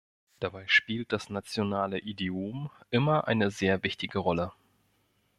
Dabei spielt das nationale Idiom immer eine sehr wichtige Rolle.